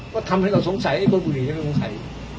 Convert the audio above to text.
ก็ทำให้เราสงสัยกลบุหรี่นี่ไม่สงสัย